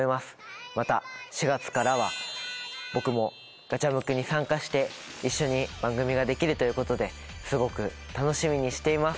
また４月からは僕も『ガチャムク』に参加して一緒に番組ができるということですごく楽しみにしています。